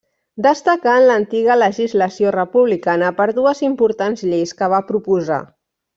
Destacà en l'antiga legislació republicana per dues importants lleis que va proposar.